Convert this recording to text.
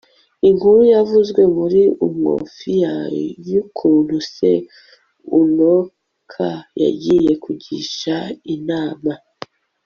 inkuru yavuzwe muri umuofia, yukuntu se, unoka, yagiye kugisha inama